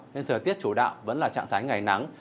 nên thời tiết chủ đạo vẫn là trạng thái ngày nắng